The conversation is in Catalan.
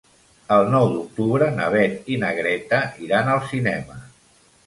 El nou d'octubre na Beth i na Greta iran al cinema.